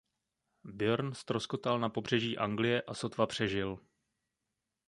Björn ztroskotal na pobřeží Anglie a sotva přežil.